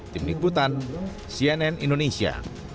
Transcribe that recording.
tim nikbutan cnn indonesia